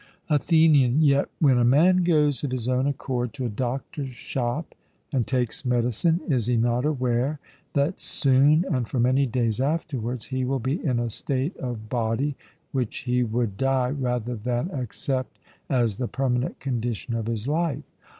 ATHENIAN: Yet when a man goes of his own accord to a doctor's shop, and takes medicine, is he not aware that soon, and for many days afterwards, he will be in a state of body which he would die rather than accept as the permanent condition of his life?